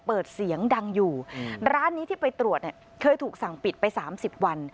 เปิดเสียงดังอยู่ร้านนี้ที่ไปตรวจเนี่ยเคยถูกสั่งปิดไป๓๐วัน